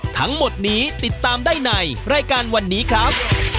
ทั้งหมดนี้ติดตามได้ในรายการวันนี้ครับ